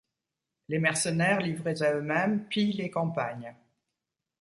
Les mercenaires livrés à eux-mêmes pillent les campagnes.